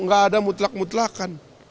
gak ada mutlak mutlakan